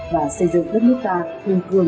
và xây dựng đất nước ta nâng cường phát triển phổ biến